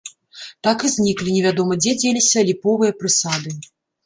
Так і зніклі, невядома дзе дзеліся, ліповыя прысады.